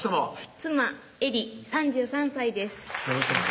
妻・絵梨３３歳です